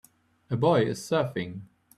A boy is surfing.